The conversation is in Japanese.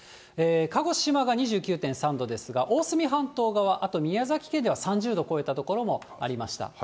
鹿児島が２９．３度ですが、大隅半島側、あと宮崎県では３０度を超えた所もありました。